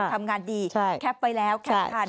ทำงานดีแคปไว้แล้วแคปทัน